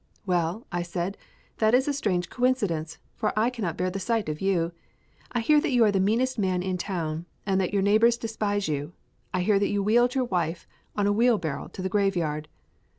"Well," I said, "that is a strange coincidence, for I cannot bear the sight of you. I hear that you are the meanest man in town, and that your neighbours despise you. I hear that you wheeled your wife on a wheelbarrow to the graveyard."